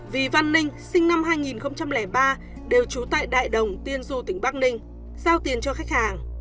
vì văn ninh sinh năm hai nghìn ba đều trú tại đại đồng tiên du tỉnh bắc ninh giao tiền cho khách hàng